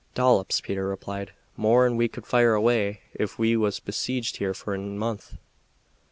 "Dollops," Peter replied; "more'n we could fire away if we was besieged here for a month."